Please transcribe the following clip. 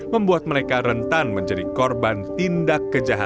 membuat mereka rentan menjauh